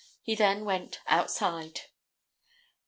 He then went outside.